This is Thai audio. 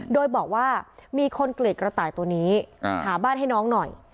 โดยบอกว่ามีคนเกลียดกระต่ายตัวนี้หาบ้านให้น้องหน่อย